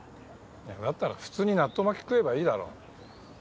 いやだったら普通に納豆巻き食えばいいだろ。